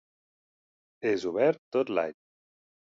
És obert tot l'any.